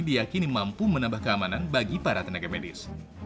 diakini mampu menambah keamanan bagi para tenaga medis